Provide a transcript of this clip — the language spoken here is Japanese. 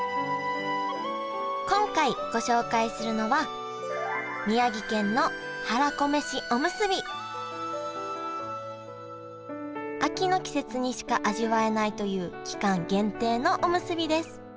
今回ご紹介するのは秋の季節にしか味わえないという期間限定のおむすびです。